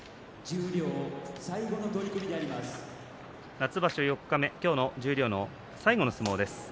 夏場所四日目今日の十両の最後の相撲です。